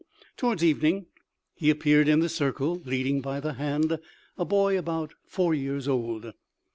Towards evening he appeared in the circle, leading by the hand a boy about four years old.